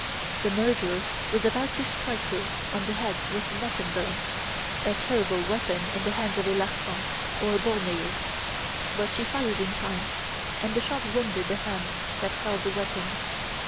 The murderer was about to strike her on the head with the mutton bone a terrible weapon in the hands of a Larsan or Ballmeyer; but she fired in time, and the shot wounded the hand that held the weapon.